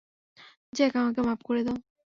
Jack, আমাকে মাফ করে দাও।